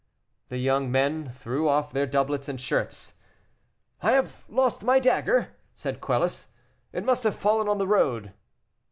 The young men threw off their doublets and shirts. "I have lost my dagger," said Quelus; "it must have fallen on the road."